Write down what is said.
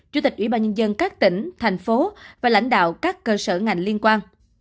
chủ tịch ủy ban nhân dân các tỉnh thành phố và lãnh đạo các cơ sở ngành liên quan